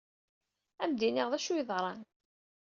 Ad am-d-iniɣ d acu ay yeḍran.